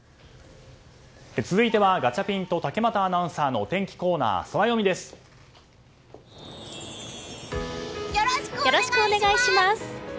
続いてはガチャピンと竹俣アナウンサーのよろしくお願いします！